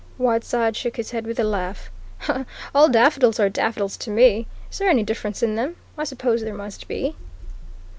Whiteside shook his head with a laugh. "All daffodils are daffodils to me. Is there any difference in them? I suppose there must be."